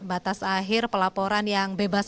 batas akhir pelaporan yang bebas